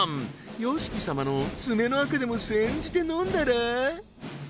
ＹＯＳＨＩＫＩ様の爪のあかでも煎じて飲んだら？